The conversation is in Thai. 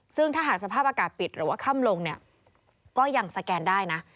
ซึ่งถ้าหากสภาพอากาศปิดหรือว่าค่ำลงเนี่ยก็ยังสแกนได้นะ